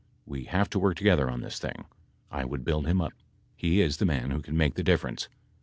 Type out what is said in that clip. We have to work together on this thing. I would build him up. He is the man who can make the difference.